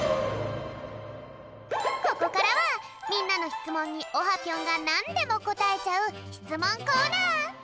ここからはみんなのしつもんにオハぴょんがなんでもこたえちゃうしつもんコーナー！